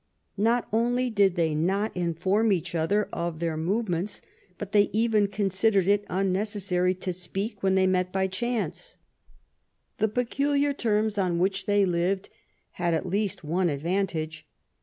Not only did they not inform each other of their movements, but they even considered it unnecessary to speak when they met by chance. The peculiar terms on which they lived had at least one advantage.